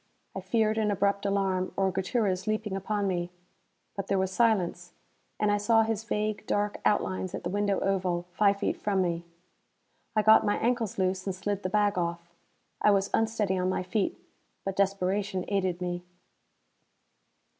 I feared an abrupt alarm, or Gutierrez leaping upon me. But there was silence, and I saw his vague dark outlines at the window oval, five feet from me. I got my ankles loose and slid the bag off. I was unsteady on my feet, but desperation aided me.